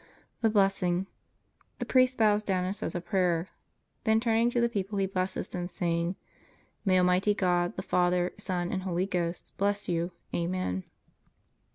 THE BLESSING The priest bows down and says a prayer. Then turning to the people he blesses them saying: May almighty God, the Father, Son, and Holy Ghost, bless you. Amen.